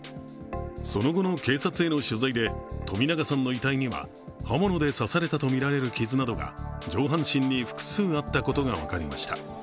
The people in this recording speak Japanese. その後の警察への取材で、冨永さんの遺体には、刃物で刺されたとみられる傷などが上半身に複数あったことが分かりました。